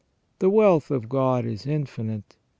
The wealth of God is infinite.